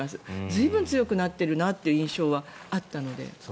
随分強くなっているなという印象はあったので。